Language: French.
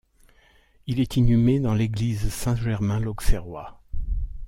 Il est inhumé dans l'église Saint-Germain-l'Auxerrois.